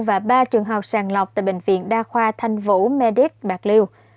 và ba trường hợp sàng lọc tại bệnh viện đa khoa thanh vũ medic bạc liêu